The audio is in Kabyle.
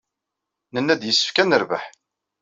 Nenna-d yessefk ad nerbeḥ.